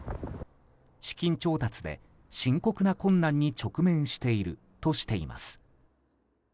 資金調達で深刻な困難に直面しているとしています。